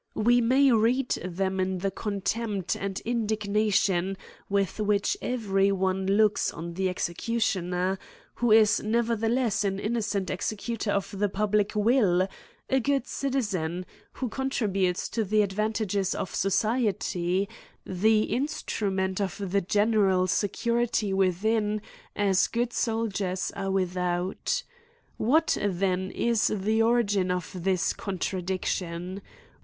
We may read them in the contempt and indigna tion with which every one looks on the execution er, who is nevertheless an innocent executor of the public will, a good citiz^i, who contributes to the advantage of society, the instrument of the gene ral security within, as good soldiers are without. What then is the origin of this contradiction